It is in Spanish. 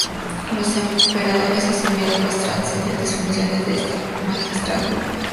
Los emperadores asumieron las trascendentes funciones de esta magistratura.